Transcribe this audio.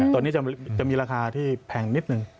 ตัวนี้จะมีราคาที่แพงนิดนึง